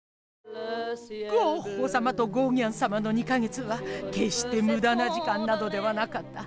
ゴッホさまとゴーギャンさまの２か月はけっしてむだな時間などではなかった。